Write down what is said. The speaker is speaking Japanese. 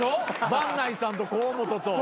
伴内さんと河本と。